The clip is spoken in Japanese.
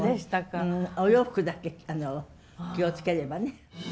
お洋服だけ気を付ければね。